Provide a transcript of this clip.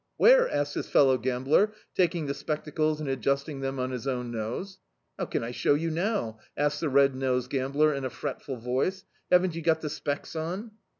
"Where?" asks his fellow gambler, taking the spectacles and adjusting them on his own nose. "How can I show you now?" asks the red nosed gambler, in a fretful voice, "haven't you got the specs on?"